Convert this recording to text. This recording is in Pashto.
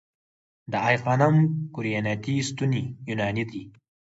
د آی خانم کورینتی ستونې یوناني دي